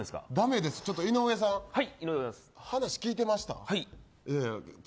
井上さん、話聞いてました？